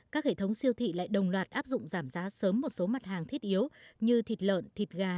các hệ thống siêu thị lại đồng loạt áp dụng giảm giá sớm một số mặt hàng thiết yếu như thịt lợn thịt gà